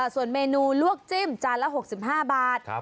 ส่วนเมนูลวกจิ้มจานละ๖๕บาท